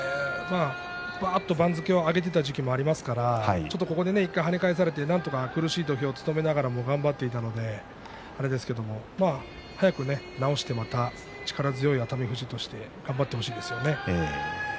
ばっと番付を上げていた時期もありますから１回ここで跳ね返されて苦しいながらも頑張っていたのであれですけれど早く治してまた力強い熱海富士として頑張ってほしいですよね。